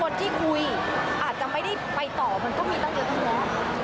คนที่คุยอาจจะไม่ได้ไปต่อมันก็มีตั้งเยอะตั้งแงะ